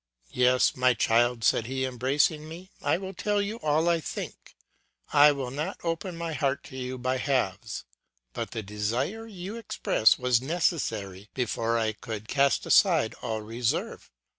"Yes, my child," said he, embracing me, "I will tell you all I think; I will not open my heart to you by halves; but the desire you express was necessary before I could cast aside all reserve.